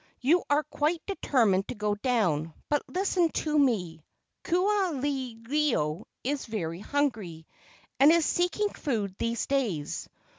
You are quite determined to go down, but listen to me. Ku aha ilo is very hungry, and is seeking food these days.